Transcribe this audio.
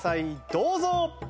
どうぞ！